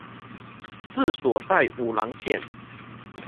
治所在武郎县。